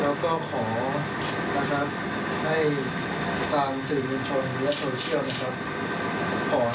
แล้วก็ขอนะครับให้ทางสื่อมวลชนและโซเชียลนะครับ